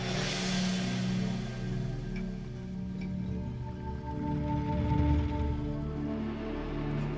terima kasih tuan